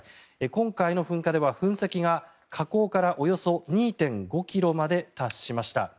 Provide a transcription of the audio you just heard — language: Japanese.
今回の噴火では、噴石が火口からおよそ２．５ｋｍまで達しました。